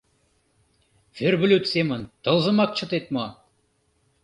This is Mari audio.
Верблюд семын тылзымак чытет мо?